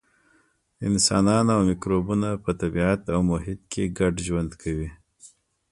انسانان او مکروبونه په طبیعت او محیط کې ګډ ژوند کوي.